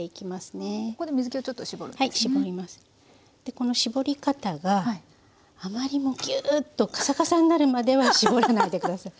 この搾り方があまりもうギューッとカサカサになるまでは搾らないで下さい。